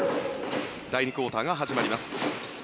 第２クオーターが始まります。